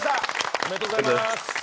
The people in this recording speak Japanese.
ありがとうございます。